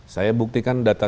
saya buktikan data